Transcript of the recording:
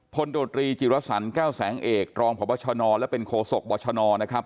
โดรีจิรสันแก้วแสงเอกรองพบชนและเป็นโคศกบชนนะครับ